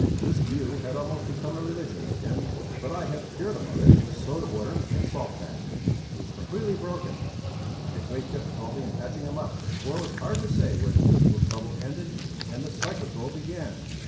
This view had almost become a religion with him, but I have cured him of it with soda water and salt baths. He was completely broken, and I had great difficulty in patching him up, for it was hard to say where the physical trouble ended and the psychical began.